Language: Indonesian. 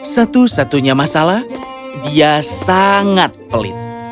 satu satunya masalah dia sangat pelit